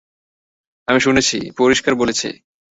আমি শুনেছি, পরিষ্কার বলেছে।